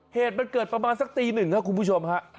เหตุมันเกิดประมาณสักตีหนึ่งครับคุณผู้ชมฮะ